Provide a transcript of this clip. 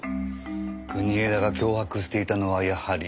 国枝が脅迫していたのはやはり。